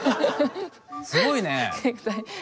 すごいね。